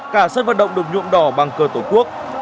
cả sân vận động được nhuộm đỏ bằng cờ tổ quốc